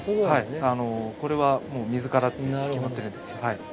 はいこれは水からって決まってるんですよ。